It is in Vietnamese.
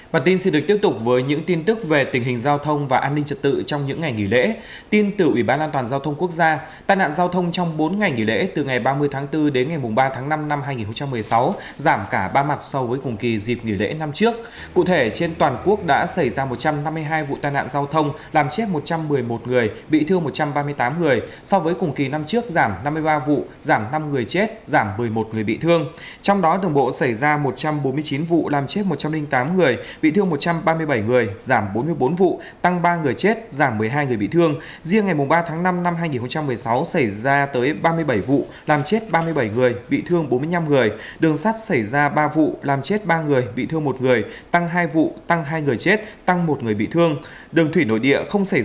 bản tin sẽ được tiếp tục với những tin tức về tình hình giao thông và an ninh trật tự trong những ngày nghỉ lễ